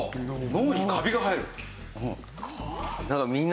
脳にカビが生える？